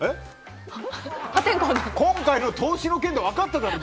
今回の投資の件で分かっただろ。